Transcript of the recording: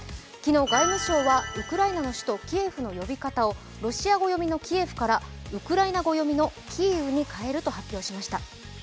昨日、外務省はウクライナのキエフの読み方をロシア語読みのキエフからウクライナ語読みのキーウに変えると発表しました。